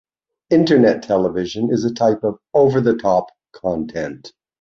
Internet television is a type of over-the-top content.